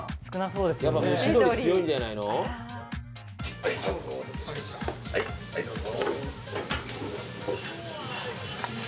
はいどうぞはいどうぞ。